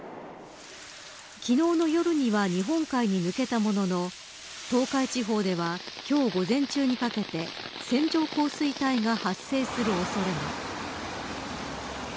昨日の夜には日本海に抜けたものの東海地方では今日午前中にかけて線状降水帯が発生する恐れが。